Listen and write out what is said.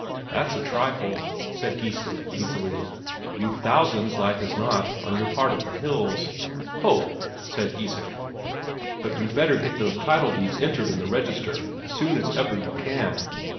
"That's a trifle," said Geissler easily. "You've thousands, like as not, on your part of the hills." "Ho!" said Isak. "But you'd better get those title deeds entered in the register as soon as ever you can."